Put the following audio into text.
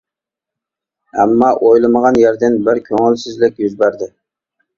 ئەمما ئويلىمىغان يەردىن بىر كۆڭۈلسىزلىك يۈز بەردى.